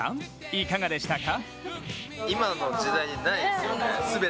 いかがでしたか？